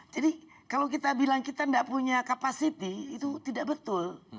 jadi kalau kita bilang kita tidak punya kapasiti itu tidak betul